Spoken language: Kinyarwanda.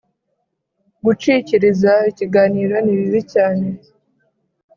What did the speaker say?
gucikiriza ikiganiro nibibi cyane